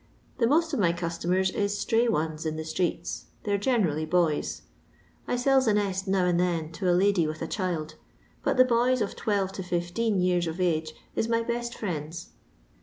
The most of my customers is stray ones in the streets. They 're generally boys. I sells a nest now and then to a lady with a child ; but the boys of twelve to fifteen years of age is my best friends.